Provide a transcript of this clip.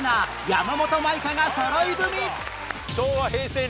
山本舞香がそろい踏み！